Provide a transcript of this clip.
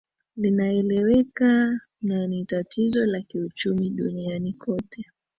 linaeleweka na nitatizo la kiuchumi duniani kote